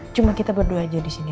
cuma kita berdua aja disini